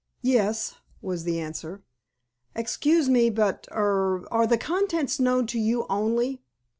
"Yes," was the answer. "Excuse me, but—er—are its contents known to you only?"